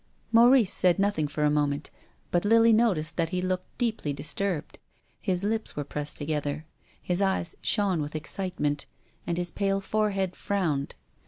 Maurice said nothing for a moment, but Lily noticed that he looked deeply disturbed. His lips were pressed together. His eyes shone with excitement, and his pale forehead frowned.